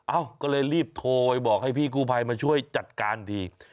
เอ้าก็เลยรีบโทรไปบอกให้พี่กู้ภัยมาช่วยจัดการที